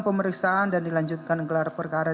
pemeriksaan dan dilanjutkan gelar perkara